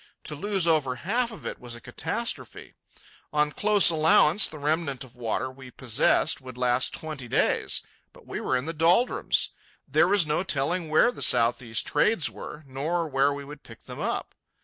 To lose over half of it was a catastrophe. On close allowance, the remnant of water we possessed would last twenty days. But we were in the doldrums; there was no telling where the southeast trades were, nor where we would pick them up.